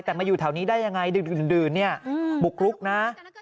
แต่มาอยู่แถวนี้ได้ยังไงดื่นเนี่ยบุกรุกนะ